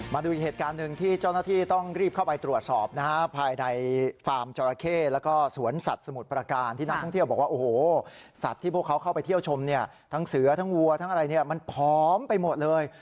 มาดูอีกเหตุการณ์หนึ่งที่เจ้าหน้าที่ต้องรีบเข้าไปตรวจสอบนะฮะภายในฟาร์มจอราเข้แล้วก็สวนสัตว์สมุทรประการที่นักท่องเที่ยวบอกว่าโอ้โหสัตว์ที่พวกเขาเข้าไปเที่ยวชมเนี่ยทั้งเสือทั้งวัวทั้งอะไรเนี่ยมันผอมไปหมดเลย